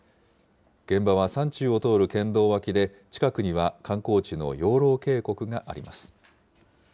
現場は山中を通る県道脇で、近くには観光地の養老渓谷があります。